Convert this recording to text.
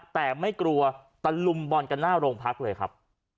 แต่ไม่กลัวตะลุมบอลกันหน้าโรงพักเลยครับ